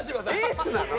エースなの？